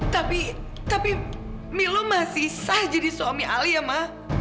tapi tapi milo masih sah jadi suami alia ma